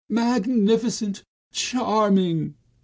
"Magnificent! Charming!